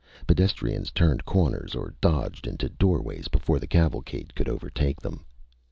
Pedestrians turned corners or dodged into doorways before the cavalcade could overtake them.